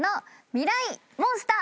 ミライ☆モンスター。